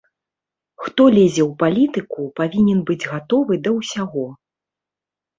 Хто лезе ў палітыку, павінен быць гатовы да ўсяго.